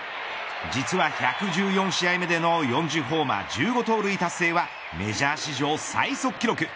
実は１１４試合目での４０ホーマー、１５盗塁達成はメジャー史上最速記録。